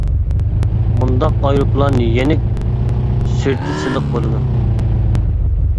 مۇنداق ئايروپىلان يېنىك، سىرتى سىلىق بولىدۇ.